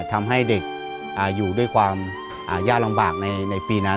ทำให้เด็กอยู่ด้วยความยากลำบากในปีนั้น